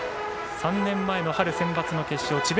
３年前の春センバツの決勝智弁